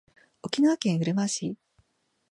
沖縄県うるま市